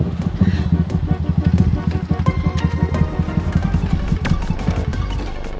iya gue tau ki